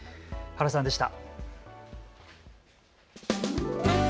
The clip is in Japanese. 原さんでした。